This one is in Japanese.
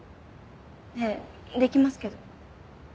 ええできますけど。